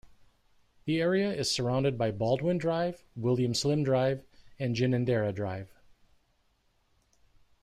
The area is surrounded by Baldwin Drive, William Slim Drive and Ginninderra Drive.